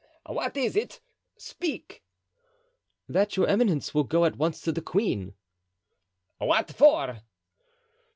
"What is it? Speak." "That your eminence will go at once to the queen." "What for?"